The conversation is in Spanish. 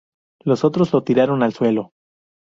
Los otros lo tiraron al suelo.